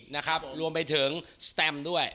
นะครับรวมไปถึงสแตมด้วย